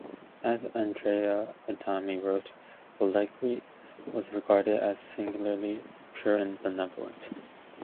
As Andrea Adami wrote, Allegri was regarded as singularly pure and benevolent.